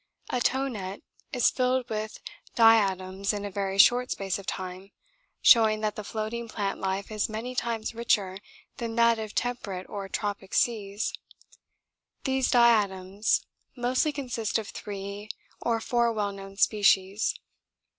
A tow net is filled with diatoms in a very short space of time, showing that the floating plant life is many times richer than that of temperate or tropic seas. These diatoms mostly consist of three or four well known species.